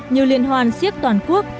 như liên hoan siếc toàn quốc